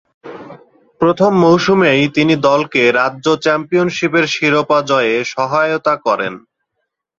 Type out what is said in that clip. প্রথম মৌসুমেই তিনি দলকে রাজ্য চ্যাম্পিয়নশীপের শিরোপা জয়ে সহায়তা করেন।